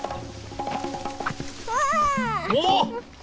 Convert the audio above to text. おっ！